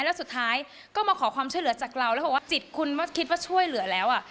แล้วสุดท้ายก็มาขอความช่วยเหลือจากเราแล้วบอกว่าจิตคุณคิดว่าช่วยเหลือแล้วอ่ะ